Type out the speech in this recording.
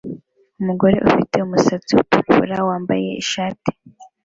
Umugore ufite umusatsi utukura wambaye ishati